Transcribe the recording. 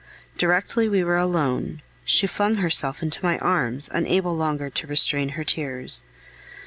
Directly we were alone, she flung herself into my arms, unable longer to restrain her tears.